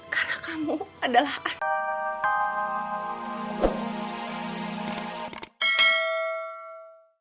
karena kamu adalah anak